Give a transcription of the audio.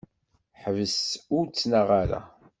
Ḥbes ur ttnaɣ ara.